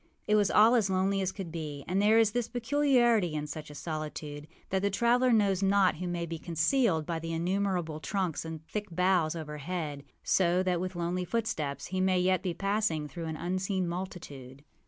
It was all as lonely as could be; and there is this peculiarity in such a solitude, that the traveller knows not who may be concealed by the innumerable trunks and the thick boughs overhead; so that with lonely footsteps he may yet be passing through an unseen multitude.